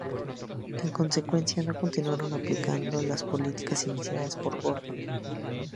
En consecuencia, no continuaron aplicando las políticas iniciadas por Gordon.